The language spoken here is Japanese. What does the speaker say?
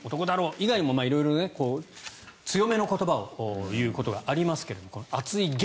以外にも色々、強めの言葉を言うことがありますが熱い檄